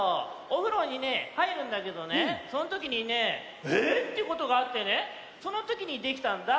お風呂にねえはいるんだけどねそのときにねええっ⁉っていうことがあってねそのときにできたんだ。